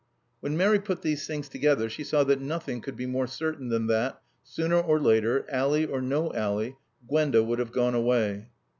When Mary put these things together, she saw that nothing could be more certain than that, sooner or later, Ally or no Ally, Gwenda would have gone away.